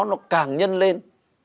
nó càng nhân lên